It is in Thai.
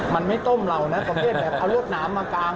มันไม่ต้มเรานะประเภทแบบเอารวดหนามมากาง